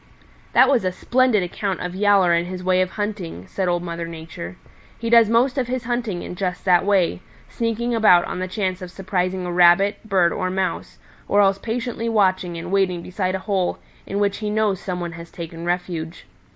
"That was a splendid account of Yowler and his way of hunting," said Old Mother Nature. "He does most of his hunting in just that way, sneaking about on the chance of surprising a Rabbit, Bird or Mouse, or else patiently watching and waiting beside a hole in which he knows some one has taken refuge.